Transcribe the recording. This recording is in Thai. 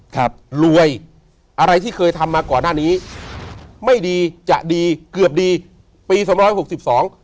ครับรวยอะไรที่เคยทำมาก่อนหน้านี้ไม่ดีจะดีเกือบดีปีสองร้อยหกสิบสอง